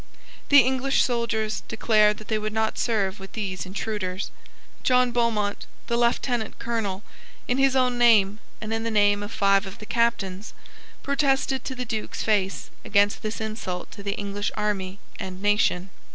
The English soldiers declared that they would not serve with these intruders. John Beaumont, the Lieutenant Colonel, in his own name and in the name of five of the Captains, protested to the Duke's face against this insult to the English army and nation.